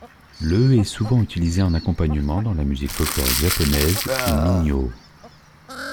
Le est souvent utilisé en accompagnement dans la musique folklorique japonaise ou min'yō.